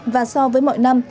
và so với mọi năm